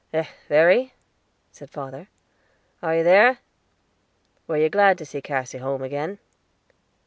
"Eh, Verry," said father, "are you there? Were you glad to see Cassy home again?"